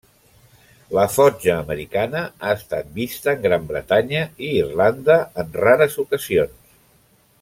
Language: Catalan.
La fotja americana ha estat vista en Gran Bretanya i Irlanda en rares ocasions.